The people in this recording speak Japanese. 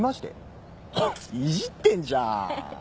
いじってんじゃん。